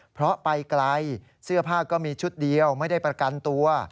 เพราะไปไกลเสื้อผ้าก็มีชุดเดียวไม่ได้ประกันตัว